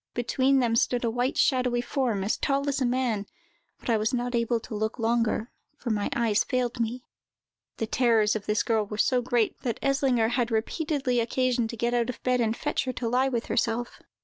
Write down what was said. Between them stood a white, shadowy form, as tall as a man, but I was not able to look longer, for my eyes failed me." The terrors of this girl were so great, that Eslinger had repeatedly occasion to get out of bed and fetch her to lie with herself.